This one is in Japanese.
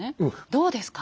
どうですか？